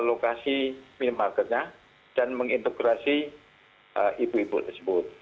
lokasi minimarketnya dan mengintegrasi ibu ibu tersebut